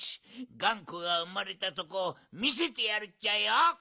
がんこがうまれたとこをみせてやるっちゃよ！